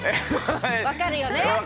わかるよね？